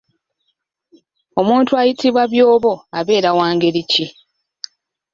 Omuntu ayitibwa byobo abeera wa ngeri ki?